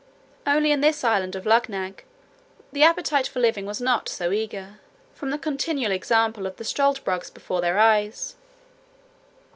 Only in this island of Luggnagg the appetite for living was not so eager, from the continual example of the struldbrugs before their eyes.